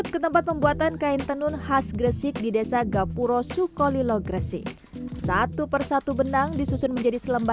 ke sempat membuat avenger verbose abilities circle